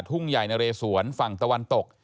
ทุ่งใหญ่นะเรสวนฝั่งตะวันตก